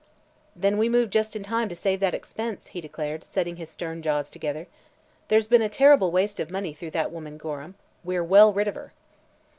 "Then we moved just in time to save that expense," he declared, setting his stern jaws together. "There's been a terrible waste of money through that woman Gorham. We're well rid of her."